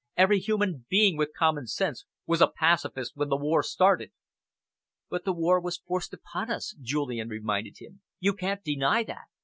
"Every human being with common sense was a pacifist when the war started." "But the war was forced upon us," Julian reminded him. "You can't deny that."